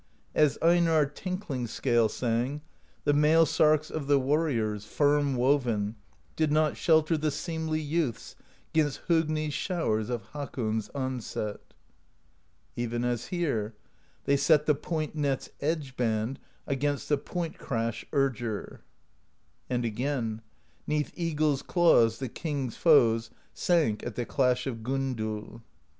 As Einarr Tinkling Scale sang: The mail sarks of the warriors, Firm woven, did not shelter The seemly youths 'gainst Hogni's Showers of Hakon's onset. Even as here: They set the Point Net's edge band Against the Point Crash Urger. And again: 'Neath eagles' claws the king's foes Sank at the Clash of Gondul.